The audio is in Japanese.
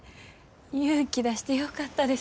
勇気出してよかったです。